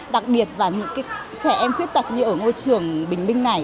đặc biệt là những trẻ em khuyết tật như ở ngôi trường bình minh này